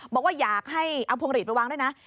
บอกว่าอยากให้อังพงศ์หรีดระวังด้วยนะ